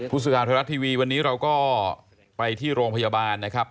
พุศศาลธรรรษทีวีวันนี้เราก็ไปที่โรงพยาบาลนะครับ